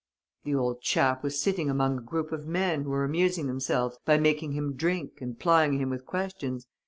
"The old chap was sitting among a group of men who were amusing themselves by making him drink and plying him with questions.